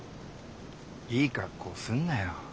いい格好すんなよ。